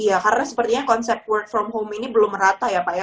iya karena sepertinya konsep work from home ini belum rata ya pak ya